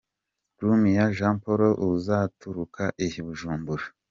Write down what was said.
Rumiya Jean Paul uzaturuka i Bujumbura ».